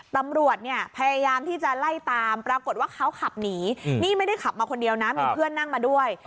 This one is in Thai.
ตำรวจเนี่ยพยายามที่จะไล่ตามปรากฏว่าเขาขับหนีนี่ไม่ได้ขับมาคนเดียวนะมีเพื่อนนั่งมาด้วย